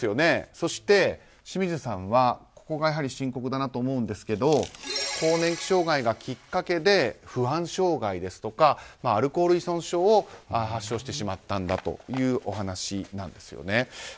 そして、清水さんはここが深刻だなと思うんですけど更年期障害がきっかけで不安障害ですとかアルコール依存症を発症してしまったんだというお話なんですね。